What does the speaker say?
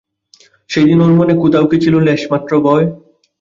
সেদিন ওর মনে কোথাও কি ছিল লেশমাত্র ভয়।